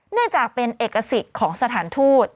เนื่องจากเป็นเอกสิทธิ์ของสถานทูต